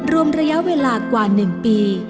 รวมระยะเวลากว่า๑ปี